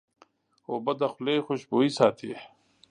اوبه د خولې خوشبویي ساتي.